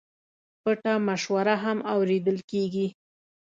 پټه مشوره هم اورېدل کېږي.